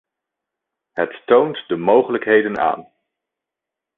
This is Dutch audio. Het toont de mogelijkheden aan.